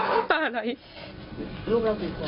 พระเจ้าเองบ้างที่๗ขวบ